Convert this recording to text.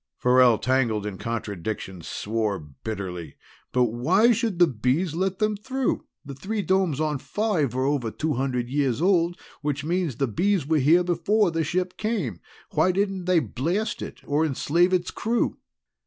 Farrell, tangled in contradictions, swore bitterly. "But why should the Bees let them through? The three domes on Five are over two hundred years old, which means that the Bees were here before the ship came. Why didn't they blast it or enslave its crew?"